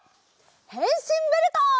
へんしんベルト！